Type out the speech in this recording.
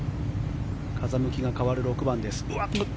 風向きが変わる６番です。